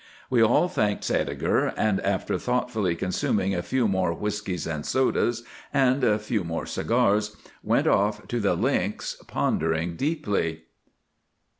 We all thanked Sædeger, and after thoughtfully consuming a few more whiskies and sodas, and a few more cigars, went off to the Links pondering deeply.